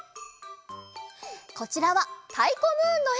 こちらは「たいこムーン」のえ。